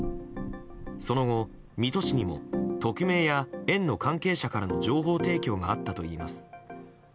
その後、水戸市にも匿名や園の関係者からの情報提供があったといいます。